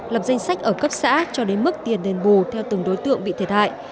lập danh sách ở cấp xã cho đến mức tiền đền bù theo từng đối tượng bị thiệt hại